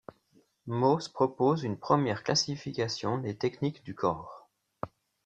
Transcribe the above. Mauss propose une première classification des techniques du corps.